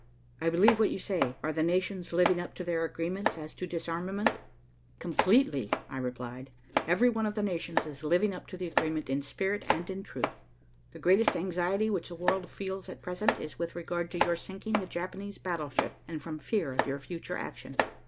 "I believe what you say. Are the nations living up to their agreements as to disarmament?" "Completely," I replied. "Every one of the nations is living up to the agreement in spirit and in truth. The greatest anxiety which the world feels at present is with regard to your sinking the Japanese battleship, and from fear of your future action."